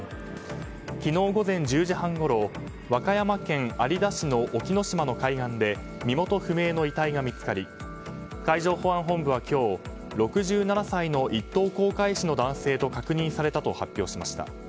昨日午前１０時半ごろ和歌山県の海岸で身元不明の遺体が見つかり海上保安本部は今日６７歳の一等航海士の男性と確認されたと発表しました。